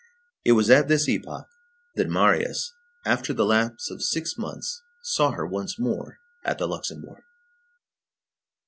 It was at this epoch that Marius, after the lapse of six months, saw her once more at the Luxembourg.